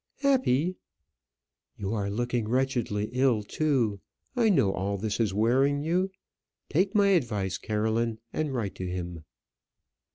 "Happy!" "You are looking wretchedly ill, too. I know all this is wearing you. Take my advice, Caroline, and write to him."